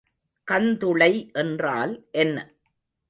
கந்துளை என்றால் என்ன?